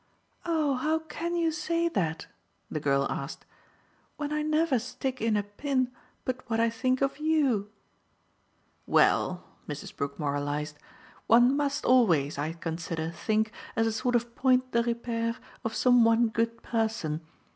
"Oh how can you say that," the girl asked, "when I never stick in a pin but what I think of YOU!" "Well," Mrs. Brook moralised, "one must always, I consider, think, as a sort of point de repere, of some one good person.